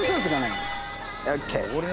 ＯＫ。